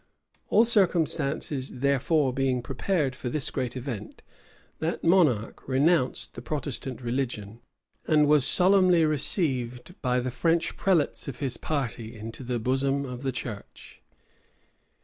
All circumstances, therefore, being prepared for this great event, that monarch renounced the Protestant religion, and was solemnly received by the French prelates of his party into the bosom of the church.